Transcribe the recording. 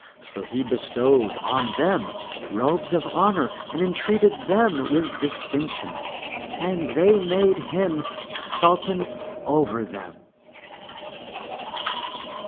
So he bestowed on them robes of honor and entreated them with distinction, and they made him Sultan over them.